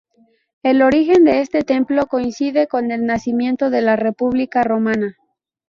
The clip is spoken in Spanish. El origen de este templo coincide con el nacimiento de la República romana.